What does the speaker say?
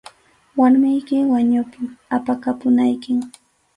Warmiykim wañupun, apakapunaykim.